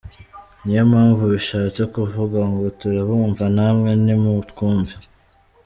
Niyo mpamvu bishatse kuvuga ngo ‘Turabumva namwe ni mu twumve’.